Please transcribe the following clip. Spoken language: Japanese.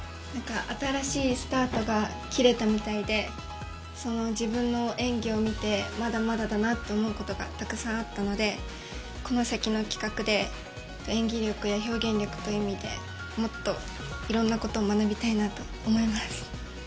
新しいスタートが切れたみたいで、自分の演技を見てまだまだだなと思うことがたくさんあったので、この先の企画で演技力や表現力という意味でもっといろんなことを学びたいなと思います。